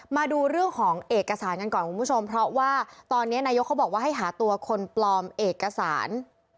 มาดูเรื่องของเอกสารกันก่อนคุณผู้ชมเพราะว่าตอนนี้นายกเขาบอกว่าให้หาตัวคนปลอมเอกสาร